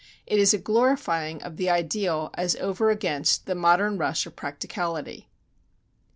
It is a glorifying of the ideal as over against the modern rush of practicality.